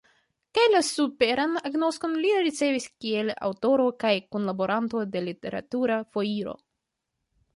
Kaj la superan agnoskon li ricevis kiel aŭtoro kaj kunlaboranto de Literatura foiro.